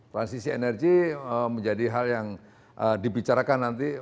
transisi energi menjadi hal yang dibicarakan nanti